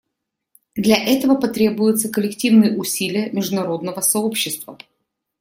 Для этого потребуются коллективные усилия международного сообщества.